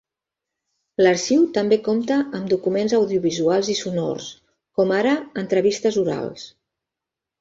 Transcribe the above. L'Arxiu també compta amb documents audiovisuals i sonors, com ara entrevistes orals.